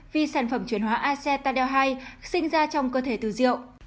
vì sản phẩm chuyển hóa acetaldehyde sinh ra trong cơ thể từ rượu